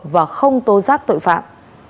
và không tô rác tội phạm